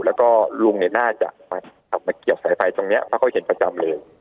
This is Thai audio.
แล้วก็ลุงเนี่ยน่าจะเอามาเกี่ยวสายฟัยตรงเนี้ยเว้าก็เห็นประจำเลย